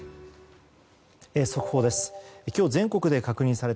速報です。